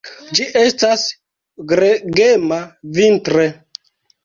Ĝi estas gregema vintre.